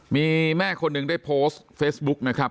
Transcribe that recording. มีแม่คนหนึ่งได้โพสต์เฟซบุ๊กนะครับ